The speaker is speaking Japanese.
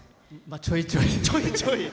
ちょいちょい。